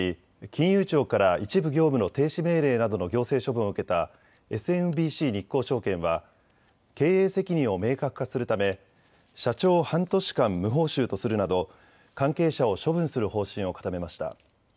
金融庁から一部業務の停止命令などの行政処分を受けたＳＭＢＣ日興証券は経営責任を明確化するため社長を半年間、無報酬とするなど関係者を処分する方針を固めました。